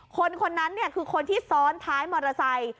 คนคนนั้นคือคนที่ซ้อนท้ายมอเตอร์ไซค์